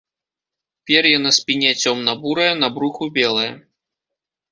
Пер'е на спіне цёмна-бурае, на бруху белае.